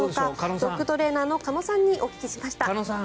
ドッグトレーナーの鹿野さんにお聞きしました。